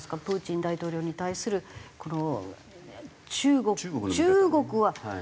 プーチン大統領に対する中国中国は？